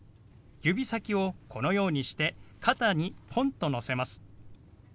指先をこのようにして肩にポンとのせます。